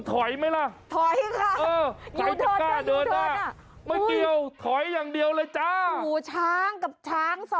แต่จะไปไต้เกลียดจังนะจ๊ะฟี่ช้าง